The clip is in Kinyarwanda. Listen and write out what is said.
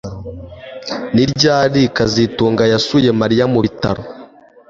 Ni ryari kazitunga yasuye Mariya mu bitaro